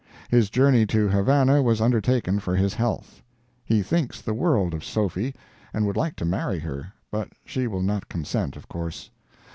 His journey to Havana was undertaken for his health. He thinks the world of Sophy, and would like to marry her, but she will not consent, of course.